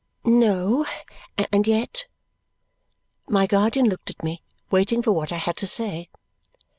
No. And yet My guardian looked at me, waiting for what I had to say.